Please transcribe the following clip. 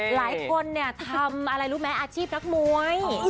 หลายคนเนี่ยทำอะไรรู้ไหมอาชีพนักมวย